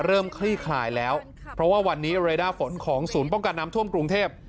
คลี่คลายแล้วเพราะว่าวันนี้เรด้าฝนของศูนย์ป้องกันน้ำท่วมกรุงเทพ